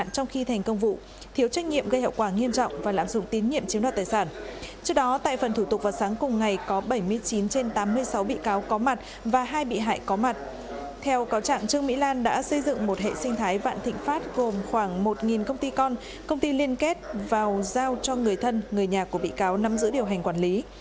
công ty liên kết vào giao cho người thân người nhà của bị cáo nắm giữ điều hành quản lý